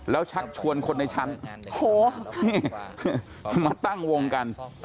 แล้วชักชวนคนในชั้นโอ้โหนี่มาตั้งวงกัน